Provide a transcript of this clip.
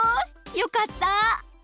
よかった！